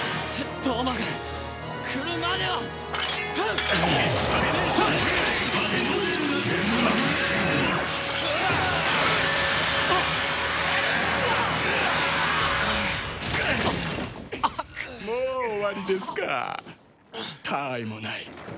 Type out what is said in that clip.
たわいもない。